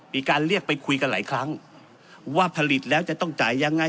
มีการเรียกไปคุยกันหลายครั้งว่าผลิตแล้วจะต้องจ่ายยังไง